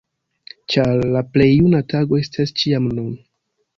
Ĉar "La plej juna tago estas ĉiam nun!